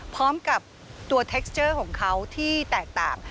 พร้อมกับตัวเทคเจอร์ของเขาที่แตกต่าง